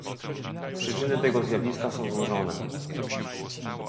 Przyczyny tego zjawiska są złożone